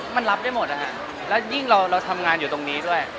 มันรับได้หมดยิ่งเราทำงานอยู่ตรงนี้ด้วย